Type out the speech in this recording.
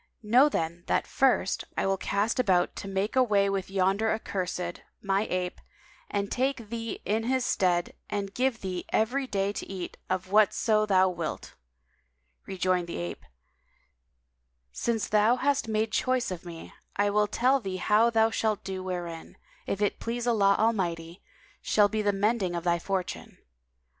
Know then that first, I will cast about to make away with yonder accursed, my ape, and take thee in his stead and give thee every day to eat of whatso thou wilt." Rejoined the ape, "Since thou hast made choice of me, I will tell thee how thou shalt do wherein, if it please Allah Almighty, shall be the mending of thy fortune.